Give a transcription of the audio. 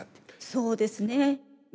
そうですね。